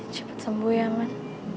cepet sembuh ya man